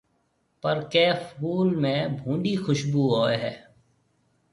پر ڪيَ ڦول ۾ ڀونڏِي کشڀوُ هوئي هيَ۔